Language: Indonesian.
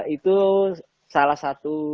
itu salah satu